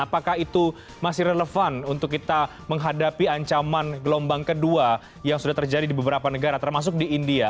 apakah itu masih relevan untuk kita menghadapi ancaman gelombang kedua yang sudah terjadi di beberapa negara termasuk di india